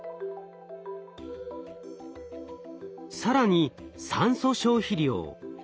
更に酸素消費量。